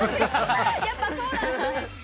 やっぱそうなんですね。